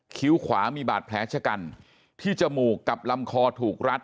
ขวามีบาดแผลชะกันที่จมูกกับลำคอถูกรัด